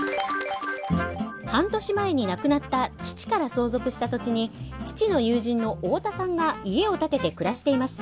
半年前に亡くなった父から相続した土地に父の友人の太田さんが家を建てて暮らしています。